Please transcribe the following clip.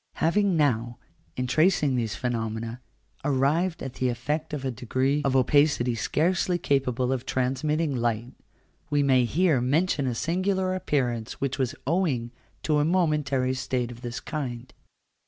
Having now, in tracing these phenomena, arrived at the effect of a degree of opacity scarcely capable of transmitting light, we may here mention a singular appearance which was owing to a momentary state of this kind.